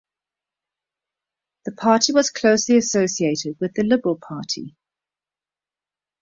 The party was closely associated with the Liberal Party.